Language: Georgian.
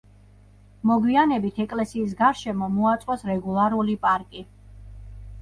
მოგვიანებით ეკლესიის გარშემო მოაწყვეს რეგულარული პარკი.